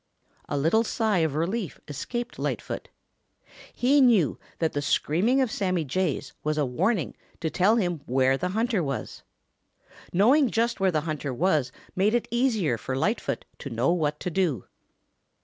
A little sigh of relief escaped Lightfoot. He knew that that screaming of Sammy Jay's was a warning to tell him where the hunter was. Knowing just where the hunter was made it easier for Lightfoot to know what to do.